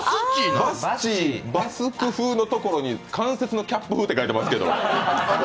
バスク風のところに関節のキャップ風って書いてますけど。